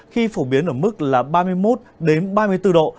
khi phổ biến ở mức là ba mươi một đến ba mươi bốn độ